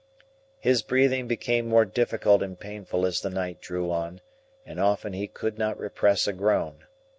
His breathing became more difficult and painful as the night drew on, and often he could not repress a groan.